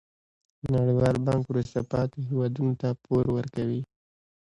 نړیوال بانک وروسته پاتې هیوادونو ته پور ورکوي.